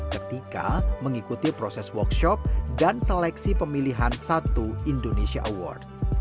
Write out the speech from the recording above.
ketika mengikuti proses workshop dan seleksi pemilihan satu indonesia award